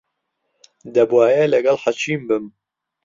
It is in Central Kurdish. دەبوایە لەگەڵ حەکیم بم.